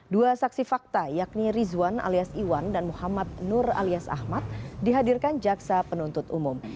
dua saksi fakta yakni rizwan alias iwan dan muhammad nur alias ahmad dihadirkan jaksa penuntut umum